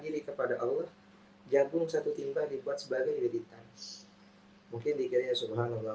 diri kepada allah jagung satu timba dibuat sebagai reditance mungkin dikiranya subhanallah